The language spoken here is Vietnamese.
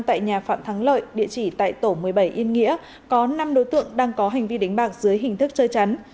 tại nhà phạm thắng lợi địa chỉ tại tổ một mươi bảy yên nghĩa có năm đối tượng đang có hành vi đánh bạc dưới hình thức chơi chắn